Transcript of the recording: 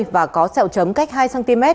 và có sẹo chấm cách hai cm